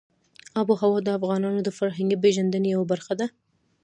آب وهوا د افغانانو د فرهنګي پیژندنې یوه برخه ده.